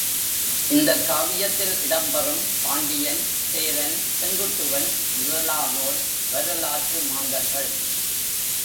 இந்தக் காவியத்தில் இடம் பெறும் பாண்டியன், சேரன், செங்குட்டுவன் முதலானோர் வரலாற்று மாந்தர்கள்.